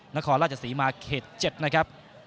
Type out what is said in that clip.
นครราชศรีมาเขต๗นะครับ